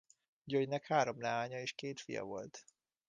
Györgynek három leánya és két fia volt.